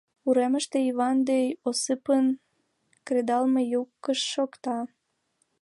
Уремыште Йыван ден Осыпын кредалме йӱкышт шокта.